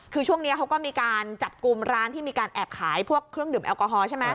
คือช่วงนี้เขาก็มีการจับกลุ่มร้านที่มีการแอบขายพวกเครื่องดื่มแอลกอฮอล์ใช่ไหม